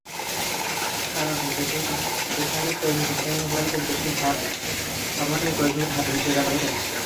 কারণ, বেসরকারিভাবে কর্মী পাঠানোর ফলে বেশির ভাগ সময়ই কর্মীরা হয়রানির শিকার হতেন।